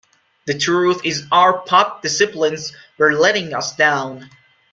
The truth is our pop disciplines were letting us down.